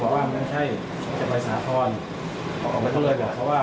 ก็บอกว่ามันใช่จะไปสาธารณ์เขาออกไปเติมเนี้ยเขาว่า